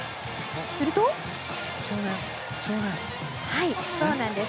すると、そうなんです。